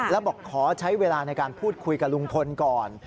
แล้วบอกขอใช้เวลาในการพูดคุยกับลุงพลก่อน